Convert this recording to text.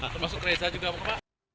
termasuk reza juga pak